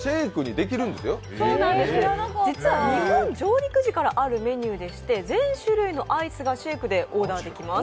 日本上陸時からあるメニューでして全種類のアイスがシェークでオーダーできます。